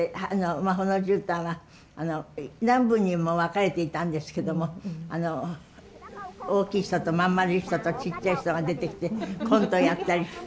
「魔法のじゅうたん」は何部にも分かれていたんですけども大きい人と真ん丸い人とちっちゃい人が出てきてコントやったりして。